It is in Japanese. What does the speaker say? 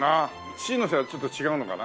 父の背はちょっと違うのかな？